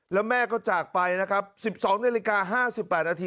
แล้วแม่ก็จากไปนะครับ๑๒นาฬิกา๕๘นาที